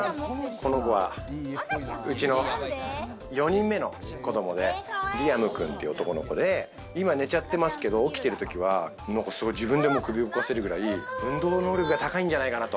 この子は、うちの４人目の子供でリアム君という男の子で、今寝ちゃってますけど起きてる時はなんかすごい自分で首を動かせるくらい、運動能力が高いんじゃないかなと。